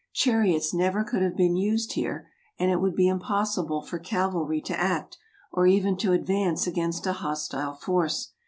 Chariots never could have been used here, and it would be impos sible for cavalry to act, or even to advance against a hostile force.